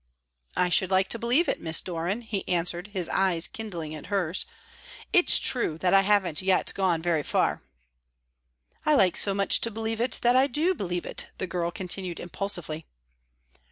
"I should like to believe it, Miss Doran," he answered, his eyes kindling at hers. "It's true that I haven't yet gone very far." "I like so much to believe it that I do believe it," the girl continued impulsively.